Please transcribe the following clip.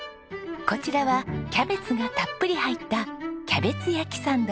こちらはキャベツがたっぷり入ったキャベツ焼きサンド。